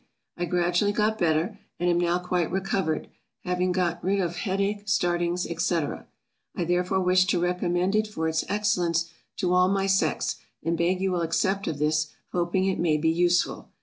I gradually got better, and am now quite recovered, having got rid of head ache, startings, &c. I therefore wish to recommend it for its excellence to all my sex; and beg you will accept of this, hoping it may be useful.